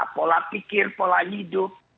pola pikir pola hidup